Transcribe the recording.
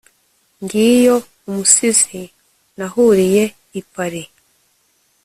Ngiyo umusizi nahuriye i Paris